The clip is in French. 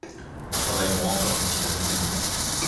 Nous travaillerons encore d’ici à la deuxième lecture.